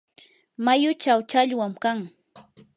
mayuchaw challwam kan.